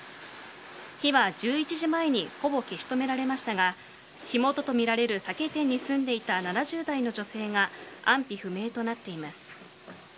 火は１１時前にほぼ消し止められましたが火元とみられる酒店に住んでいた７０代の女性が安否不明となっています。